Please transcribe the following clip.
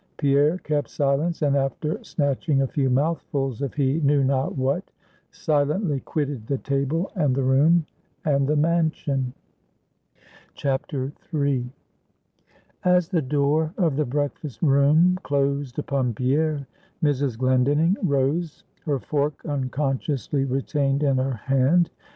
Pierre kept silence; and after snatching a few mouthfuls of he knew not what, silently quitted the table, and the room, and the mansion. III. As the door of the breakfast room closed upon Pierre, Mrs. Glendinning rose, her fork unconsciously retained in her hand.